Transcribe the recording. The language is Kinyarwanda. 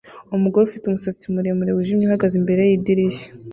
Umugore ufite umusatsi muremure wijimye uhagaze imbere yidirishya